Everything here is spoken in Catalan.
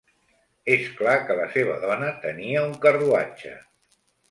És clar que la seva dona tenia un carruatge!